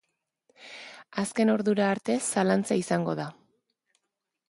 Azken ordura arte zalantza izangoda.